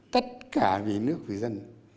tất cả vì nước vì dân